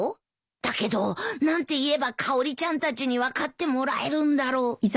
だけど何て言えばかおりちゃんたちに分かってもらえるんだろう？